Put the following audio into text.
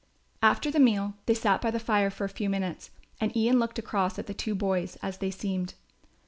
After the meal they sat by the fire for a few minutes, and Ian looked across at the two boys, as they seemed.